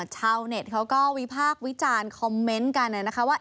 ชาวเน็ตเขาก็วิพากษ์วิจารณ์คอมเมนต์กันนะคะว่า